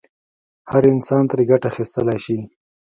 هر انسان ترې ګټه اخیستلای شي.